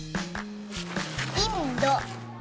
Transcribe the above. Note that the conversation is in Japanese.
インド。